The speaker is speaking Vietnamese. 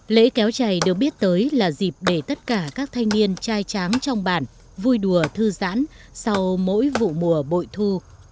lễ kéo chày được biết tới là dịp để tất cả các thanh niên trai tráng trong bản vui đùa thư giãn sau mỗi vụ mùa bội thu